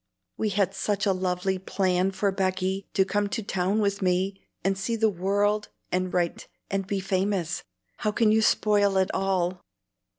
"We had such a lovely plan for Becky to come to town with me, and see the world, and write, and be famous. How can you spoil it all?"